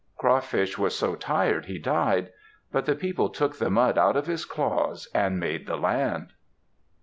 Crawfish was so tired he died. But the people took the mud out of his claws and made the land.